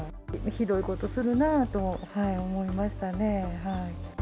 ひどいことするなと思いましたね。